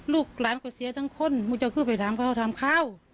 ลูกหลานก็เสียทั้งคนมึงเจ้าขึ้นไปถามเขาถามเขา